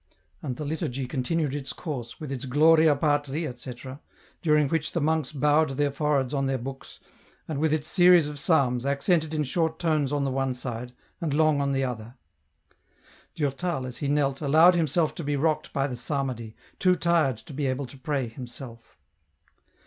And the liturgy continued its course, with its " Gloria Patri," etc., during which the monks bowed their foreheads on their books, and with its series of psalms, accented in short tones on the one side, and long on the other. Durtal, as he knelt, allowed himself to be rocked by the psalmody, too tired to be able to pray himself.